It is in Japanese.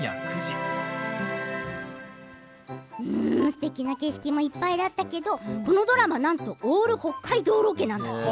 すてきな景色もいっぱいだったけどこのドラマ、なんとオール北海道ロケなんだって。